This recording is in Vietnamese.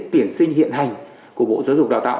tuyển sinh hiện hành của bộ giáo dục đào tạo